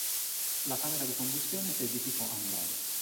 La camera di combustione è di tipo anulare.